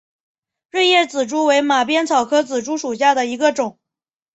锐叶紫珠为马鞭草科紫珠属下的一个种。